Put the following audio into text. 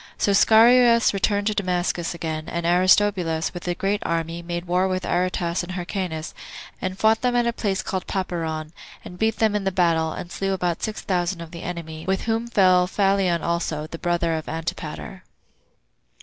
So Scaurus returned to Damascus again; and Aristobulus, with a great army, made war with Aretas and Hyrcanus, and fought them at a place called Papyron, and beat them in the battle, and slew about six thousand of the enemy, with whom fell Phalion also, the brother of Antipater.